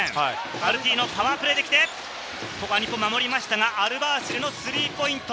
アルティーノ、パワープレーできて、日本を守りましたが、アルバーシルのスリーポイント。